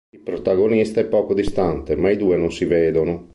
Il protagonista è poco distante, ma i due non si vedono.